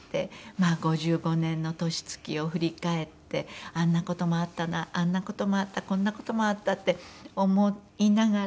まあ５５年の年月を振り返ってあんな事もあったなあんな事もあったこんな事もあったって思いながら。